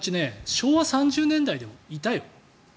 昭和３０年代でもいたよ。